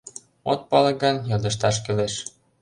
От пале гын, йодышташ кӱлеш.